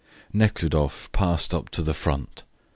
Nekhludoff passed up to the front.